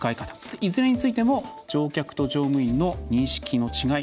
いずれについても乗客と乗務員の認識の違い